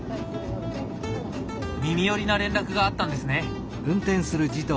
耳寄りな連絡があったんですね？